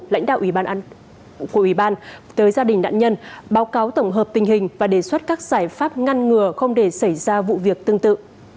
lãnh đạo ủy ban tới gia đình nạn nhân báo cáo tổng hợp tình hình và đề xuất các giải pháp ngăn ngừa không để xảy ra vụ việc tương tự